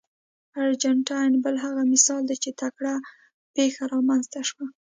ارجنټاین بل هغه مثال دی چې ټکر پېښه رامنځته شوه.